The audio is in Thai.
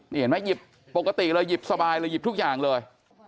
นี่เห็นไหมหยิบปกติเลยหยิบสบายเลยหยิบทุกอย่างเลย